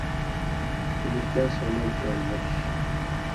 ہجرتیاں ساموٹُھ کالہ مژ